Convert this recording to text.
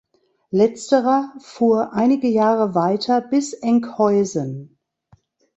Letzterer fuhr einige Jahre weiter bis Enkhuizen.